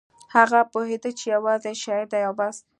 هغه پوهېده چې یوازې شاعر دی او بس